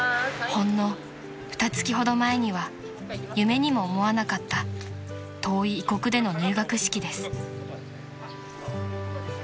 ［ほんのふたつきほど前には夢にも思わなかった遠い異国での入学式です］